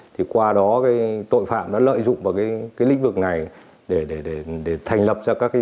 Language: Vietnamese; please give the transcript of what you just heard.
thì qua đó tội phạm đã lợi dụng vào lĩnh vực này để thành lập ra các doanh nghiệp